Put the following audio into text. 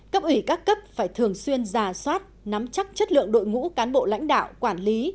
cấp ủy các cấp phải thường xuyên giả soát nắm chắc chất lượng đội ngũ cán bộ lãnh đạo quản lý